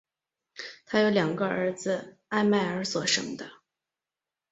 她有两个儿子艾麦尔所生的。